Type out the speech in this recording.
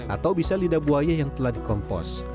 atau bisa lidah buaya yang telah dikompos